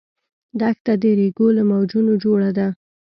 دښته د ریګو له موجونو جوړه ده.